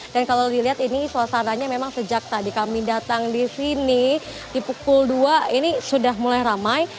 kalau dilihat ini suasananya memang sejak tadi kami datang di sini di pukul dua ini sudah mulai ramai